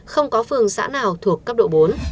không có phương xã nào thuộc cấp độ bốn